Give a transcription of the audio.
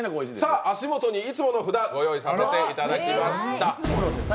さあ足元にいつもの札ご用意させていただきました。